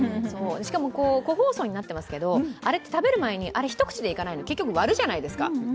個包装になってますけどあれって食べる前に一口でいかないの、結局割るじゃないですか。